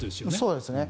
そうですね。